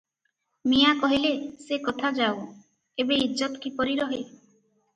"ମିଆଁ କହିଲେ --" ସେ କଥା ଯାଉ, ଏବେ ଇଜ୍ଜତ କିପରି ରହେ?